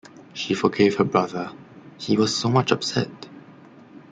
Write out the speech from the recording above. She forgave her brother — he was so much upset.